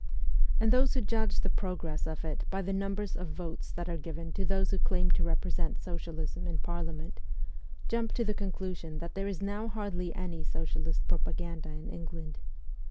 And those who judge the progress of it by the numbers of votes that are given to those who claim to represent socialism in Parliament, jump to the conclusion that there is now hardly any socialist propaganda in England.